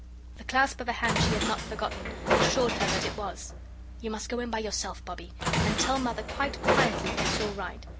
The clasp of a hand she had not forgotten assured her that it was. "You must go in by yourself, Bobbie, and tell Mother quite quietly that it's all right.